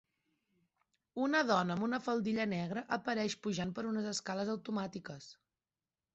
Una dona amb una faldilla negra apareix pujant per unes escales automàtiques.